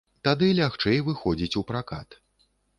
Тады лягчэй выходзіць у пракат.